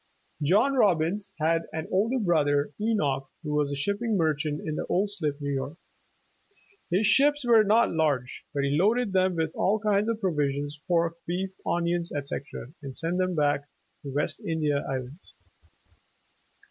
John Robbins had an older brother Enoch, who was a shipping merchant in Old Slip, New York. His ships were not large, but he loaded them with all kinds of provisions, pork, beef, onions, etc., and sent them to the West India Islands.